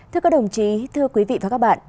thưa các đồng chí thưa quý vị và các bạn